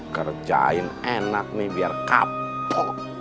kerjain enak nih biar kapok